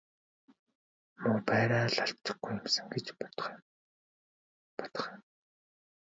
Муу байраа л алдчихгүй юмсан гэж бодох юм.